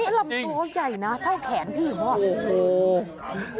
ไม่ลำตัวใหญ่นะเท่าแขนพี่หรือเปล่าโอ้โฮ